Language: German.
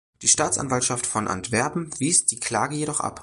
Die Staatsanwaltschaft von Antwerpen wies die Klage jedoch ab.